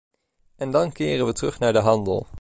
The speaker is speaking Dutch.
En dan keren we terug naar de handel.